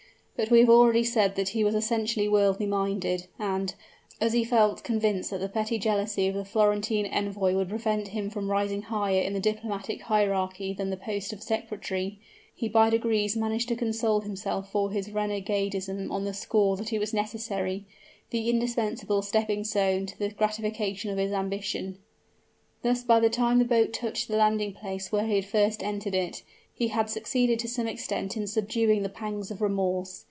But we have already said that he was essentially worldly minded, and, as he felt convinced that the petty jealousy of the Florentine Envoy would prevent him from rising higher in the diplomatic hierarchy than the post of secretary, he by degrees managed to console himself for his renegadism on the score that it was necessary the indispensable stepping stone to the gratification of his ambition. Thus by the time the boat touched the landing place where he had first entered it, he had succeeded to some extent in subduing the pangs of remorse.